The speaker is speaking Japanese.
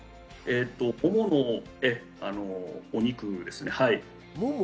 モモのお肉ですね。